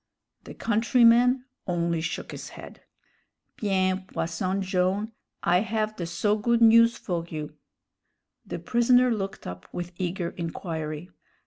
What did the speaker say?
The countryman only shook his head. "Bien, Posson Jone', I have the so good news for you." The prisoner looked up with eager inquiry.